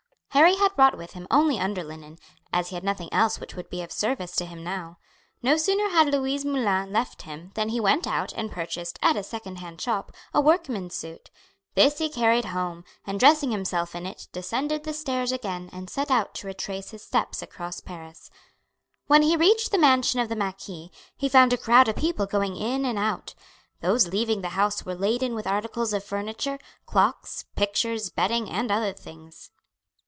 Harry had brought with him only underlinen, as he had nothing else which would be of service to him now. No sooner had Louise Moulin left him than he went out and purchased, at a second hand shop, a workman's suit. This he carried home, and dressing himself in it descended the stairs again and set out to retrace his steps across Paris. When he reached the mansion of the marquis he found a crowd of people going in and out. Those leaving the house were laden with articles of furniture, clocks, pictures, bedding, and other things.